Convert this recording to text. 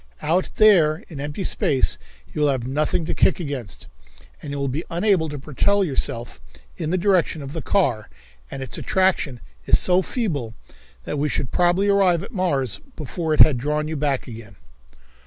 Out there in empty space you will have nothing to kick against, and you will be unable to propel yourself in the direction of the car, and its attraction is so feeble that we should probably arrive at Mars before it had drawn you back again."